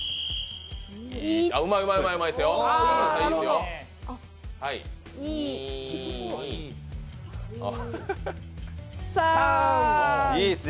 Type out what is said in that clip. うまい、うまいですよ。いいですよ。